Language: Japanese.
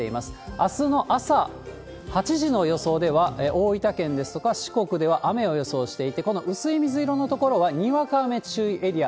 あすの朝８時の予想では、大分県ですとか四国では雨を予想していて、この薄い水色の所はにわか雨注意エリア。